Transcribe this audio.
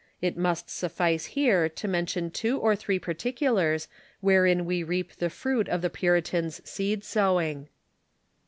It must suffice here to mention two or three particulars wherein we reap the fruit of the Puritans' seed sowing.